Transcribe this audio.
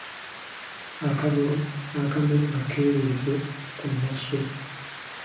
Akagalo akamera nga keeberese ku nnassu.